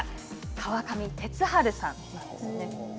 川上哲治さんなんですね。